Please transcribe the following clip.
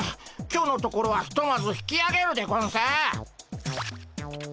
今日のところはひとまず引きあげるでゴンス。